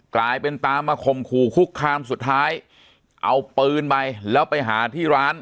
กลายเป็นตามมาข่มขู่คุกคามสุดท้ายเอาปืนไปแล้วไปหาที่ร้าน